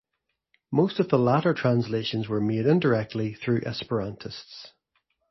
Most of the latter translations were made indirectly, through Esperantists.